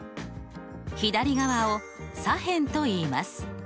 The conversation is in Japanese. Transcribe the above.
左側を左辺といいます。